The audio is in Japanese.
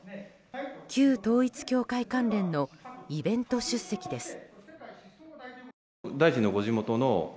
旧統一教会関連のイベント出席です。